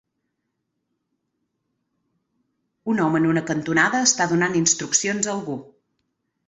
Un home en una cantonada està donant instruccions a algú.